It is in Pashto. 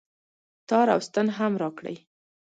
تار او ستن هم راکړئ